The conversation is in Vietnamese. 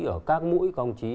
ở các mũi các ông chí